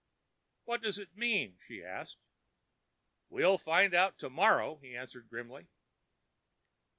"What does it mean?" she asked. "We'll find out tomorrow," he answered grimly.